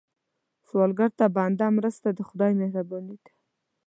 سوالګر ته بنده مرسته، د خدای مهرباني ده